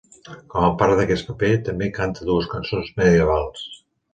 Com a part d'aquest paper, també canta dues cançons medievals.